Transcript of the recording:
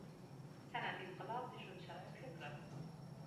• صنعتي انقلاب د ژوند شرایط ښه کړل.